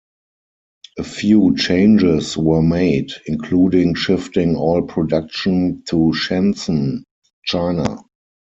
A few changes were made, including shifting all production to Shenzhen, China.